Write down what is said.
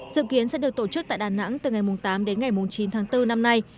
dự kiến sẽ được tổ chức tại đà nẵng từ ngày tám đến ngày chín tháng bốn năm nay